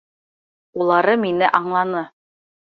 Улары мине аңланы.